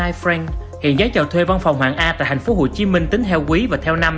hãy đăng ký kênh để ủng hộ kênh của mình nhé